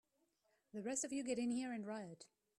The rest of you get in here and riot!